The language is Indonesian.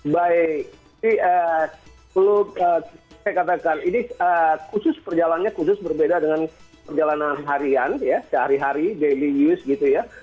baik perlu saya katakan ini khusus perjalanannya khusus berbeda dengan perjalanan harian ya sehari hari daily use gitu ya